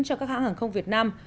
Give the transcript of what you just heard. cho các hãng hàng không việt nam